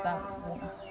bangga gembira bunga